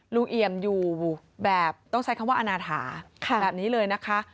เอี่ยมอยู่แบบต้องใช้คำว่าอนาถาแบบนี้เลยนะคะ